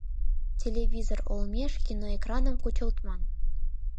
Телевизор олмеш киноэкраным кучылтман.